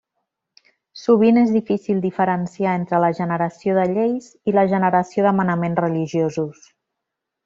Sovint és difícil diferenciar entre la generació de lleis i la generació de manaments religiosos.